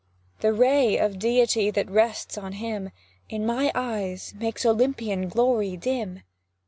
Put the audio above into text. The ray of Deity that rests on him, In my eyes makes Olympian glory dim.